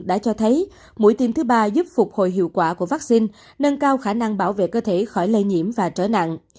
đã cho thấy mũi tiêm thứ ba giúp phục hồi hiệu quả của vaccine nâng cao khả năng bảo vệ cơ thể khỏi lây nhiễm và trở nặng